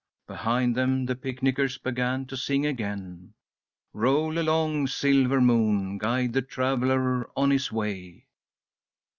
Behind them the picnickers began to sing again, "Roll along, silver moon, guide the traveller on his way."